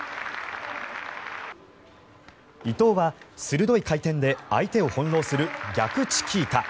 伊藤は鋭い回転で相手を翻ろうする逆チキータ。